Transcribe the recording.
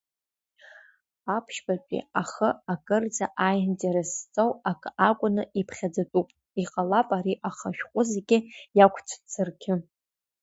Аԥшьбатәи ахы акырӡа аинтерес зҵоу акы акәны иԥхьаӡатәуп, иҟалап ари ахы ашәҟәы зегьы иагәцәзаргьы.